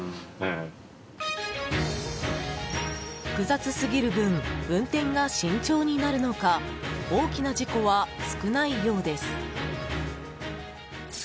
複雑すぎる分運転が慎重になるのか大きな事故は少ないようです。